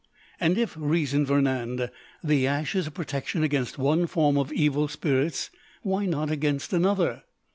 And if, reasoned Vernand, the ash is a protection against one form of evil spirits, why not against another?